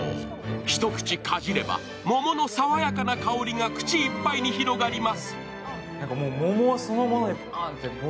１口かじれば桃の爽やかな香りが口いっぱいに広がります。